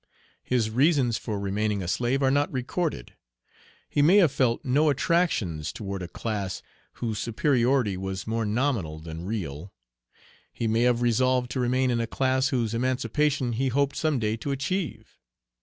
His reasons for remaining a slave are not recorded. He may have felt no attractions toward a class whose superiority was more nominal than real. He may have resolved to remain in a class whose emancipation he hoped some day to achieve.